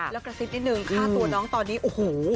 แล้วกระซิบนิดนึงค่าตัวน้องตอนนี้โอ้โห